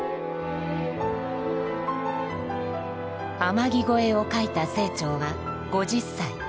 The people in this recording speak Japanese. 「天城越え」を書いた清張は５０歳。